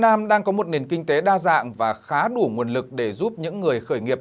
việt nam đang có một nền kinh tế đa dạng và khá đủ nguồn lực để giúp những người khởi nghiệp